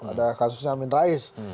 ada kasusnya amin rais